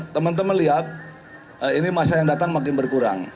teman teman lihat ini masa yang datang makin berkurang